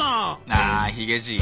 あヒゲじい